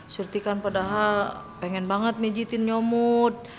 surti kan padahal pengen banget pijitin nyamud